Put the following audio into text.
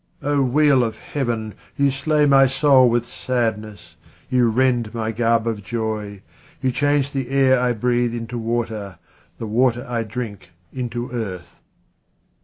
O wheel of Heaven, you slay my soul with sadness, you rend my garb of joy, you change the air I breathe into water, the water I drink into earth.